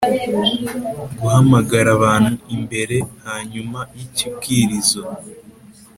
guhamagara abantu imbere hanyuma y'ikibwirizo.